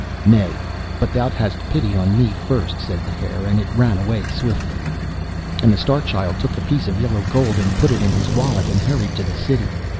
'Nay, but thou hadst pity on me first,' said the Hare, and it ran away swiftly. And the Star Child took the piece of yellow gold, and put it in his wallet, and hurried to the city.